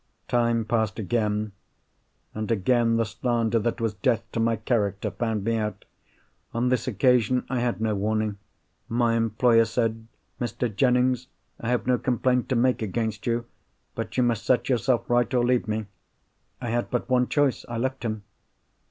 Time passed again; and again the slander that was death to my character found me out. On this occasion I had no warning. My employer said, 'Mr. Jennings, I have no complaint to make against you; but you must set yourself right, or leave me.' I had but one choice—I left him.